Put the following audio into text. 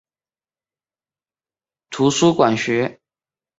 在美国获得图书馆学博士学位。